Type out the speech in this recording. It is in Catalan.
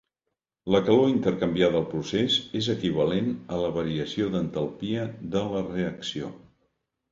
La calor intercanviada al procés és equivalent a la variació d'entalpia de la reacció.